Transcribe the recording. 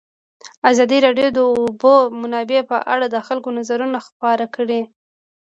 ازادي راډیو د د اوبو منابع په اړه د خلکو نظرونه خپاره کړي.